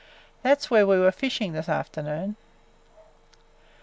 "That 's where we were fishing this afternoon."